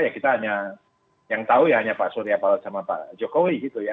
ya kita hanya yang tahu ya hanya pak surya palot sama pak jokowi gitu ya